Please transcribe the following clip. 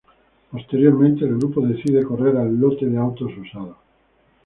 Posteriormente, el grupo decide correr al lote de autos usados.